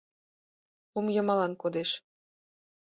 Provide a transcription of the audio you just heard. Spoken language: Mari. Лум йымалан кодеш.